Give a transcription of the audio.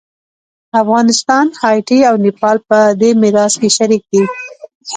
افغانستان، هایټي او نیپال په دې میراث کې شریک دي.